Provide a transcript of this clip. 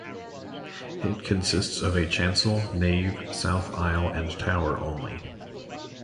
It consists of a chancel, nave, south aisle and tower only.